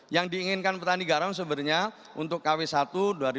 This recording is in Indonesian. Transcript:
yang diinginkan petani garam sebenarnya untuk kw satu rp dua lima ratus